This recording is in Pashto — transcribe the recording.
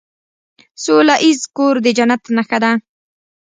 سوله ایز کور د جنت نښه ده.